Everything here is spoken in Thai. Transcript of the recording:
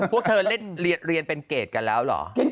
พวกเธอเล่นเรียนเป็นเกรดกันแล้วเหรอ